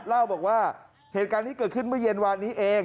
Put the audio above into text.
เล่าบอกว่าเหตุการณ์นี้เกิดขึ้นเมื่อเย็นวานนี้เอง